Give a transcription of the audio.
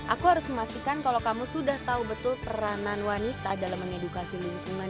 aku harus memastikan kalau kamu sudah tahu betul peranan wanita dalam mengedukasi lingkungan